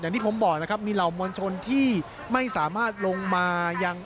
ที่ผมบอกนะครับมีเหล่ามวลชนที่ไม่สามารถลงมายัง